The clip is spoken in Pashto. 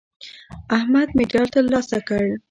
احمد مډال ترلاسه کړ.